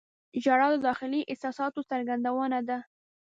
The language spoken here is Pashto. • ژړا د داخلي احساساتو څرګندونه ده.